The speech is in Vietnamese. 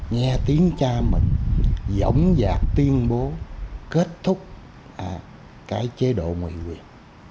nghe tiếng cha mình giống dạc tuyên bố kết thúc cái chế độ mười quyền